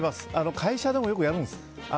会社でもよくやるんです。